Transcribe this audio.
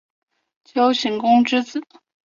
丘行恭之子。